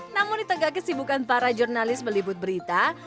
namun di tengah kesibukan para jurnalis meliput berita